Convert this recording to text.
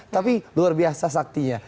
tapi luar biasa saktinya